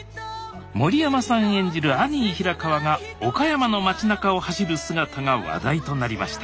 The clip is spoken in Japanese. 森山さん演じるアニー・ヒラカワが岡山の町なかを走る姿が話題となりました